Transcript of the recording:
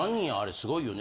すごいよね。